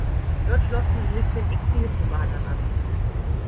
Dort schlossen sie sich den Exilkubanern an.